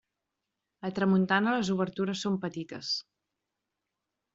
A tramuntana les obertures són petites.